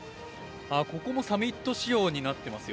ここもサミット仕様になってますよ。